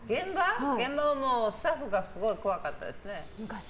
現場はスタッフがすごい怖かったですね。